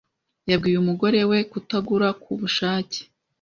Yabwiye umugore we kutagura ku bushake.